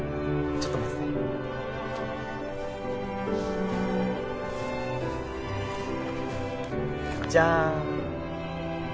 ちょっと持ってて。じゃん。